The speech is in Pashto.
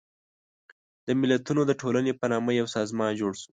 د ملتونو د ټولنې په نامه یو سازمان جوړ شو.